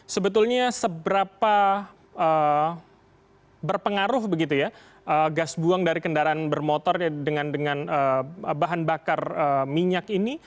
sebetulnya seberapa berpengaruh begitu ya gas buang dari kendaraan bermotor dengan bahan bakar minyak ini